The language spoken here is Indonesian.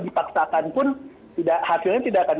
dipaksakan pun hasilnya tidak akan